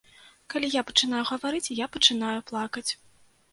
Калі я пачынаю гаварыць, я пачынаю плакаць.